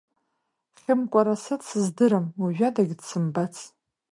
Хьымкәараса дсыздырам, уажәадагь дсымбац.